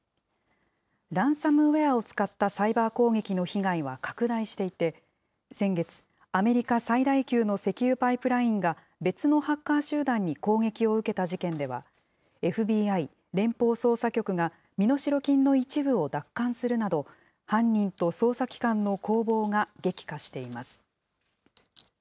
ランサムウエアを使ったサイバー攻撃の被害は拡大していて、先月、アメリカ最大級の石油パイプラインが、別のハッカー集団に攻撃を受けた事件では、ＦＢＩ・連邦捜査局が身代金の一部を奪還するなど、犯人と捜査機関の攻防が激化しています。